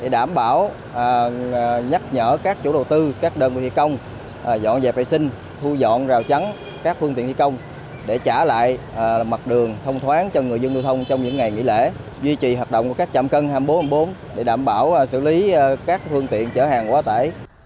đảm bảo nhắc nhở các chủ đầu tư các đơn vị thi công dọn dẹp vệ sinh thu dọn rào chắn các phương tiện thi công để trả lại mặt đường thông thoáng cho người dân lưu thông trong những ngày nghỉ lễ duy trì hoạt động của các chạm cân hai mươi bốn hai mươi bốn để đảm bảo xử lý các phương tiện chở hàng quá tải